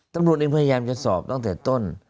ตำรวจเองพยายามจะสอบตั้งแต่ต้น